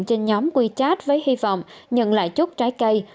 trên nhóm wechat với hy vọng nhận lại chút trái cây